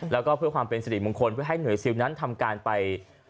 แล้วก็เพื่อความเป็นสิริมงคลเพื่อให้หน่วยซิลนั้นทำการไป